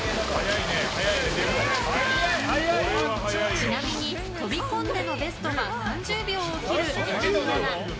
ちなみに飛び込んでのベストは３０秒を切る榎並アナ。